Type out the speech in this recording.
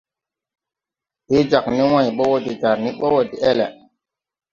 Hee jāg ne wãy bɔ wɔ de jar ni bo wo deʼel.